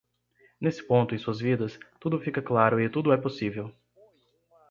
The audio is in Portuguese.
Nesse ponto em suas vidas, tudo fica claro e tudo é possível.